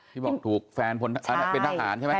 ที่บอกถูกแฟนเป็นทหารใช่ไหม